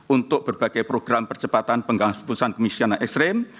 untuk berbagai program percepatan penggangguan keputusan kemiskinan ekstrem